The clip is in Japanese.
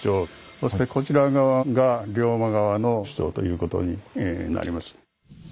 そしてこちら側が龍馬側の主張ということになります。